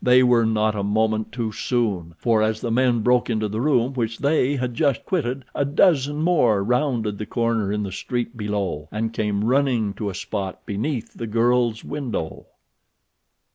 They were not a moment too soon, for as the men broke into the room which they had just quitted a dozen more rounded the corner in the street below and came running to a spot beneath the girl's window.